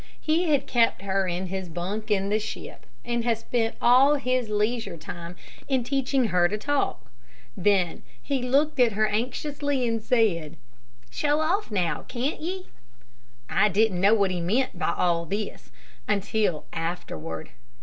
He had kept her in his bunk in the ship, and had spent all his leisure time in teaching her to talk. Then he looked at her anxiously, and said, "Show off now, can't ye?" "I didn't know what he meant by all this, until afterward.